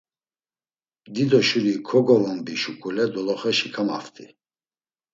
Dido şuri kogovonbi şuǩule doloxeşi kamaft̆i.